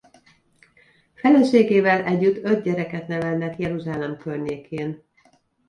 Feleségével együtt öt gyereket nevelnek Jeruzsálem környékén.